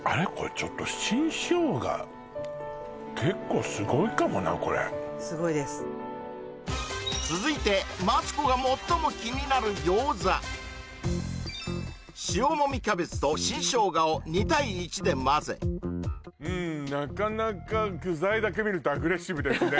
ちょっと新生姜これすごいです続いてマツコが最も気になる餃子塩もみキャベツと新生姜を２対１でまぜうんなかなか具材だけ見るとアグレッシブですね